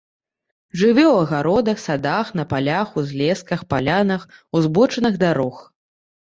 Жыве ў агародах, садах, на палях, узлесках, палянах, узбочынах дарог.